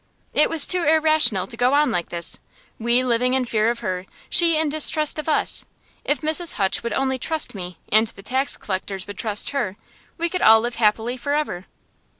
It was too irrational to go on like this, we living in fear of her, she in distrust of us. If Mrs. Hutch would only trust me, and the tax collectors would trust her, we could all live happily forever.